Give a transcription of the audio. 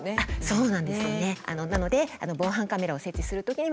そうなんですよね。